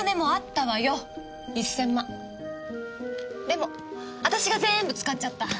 でも私が全部使っちゃった。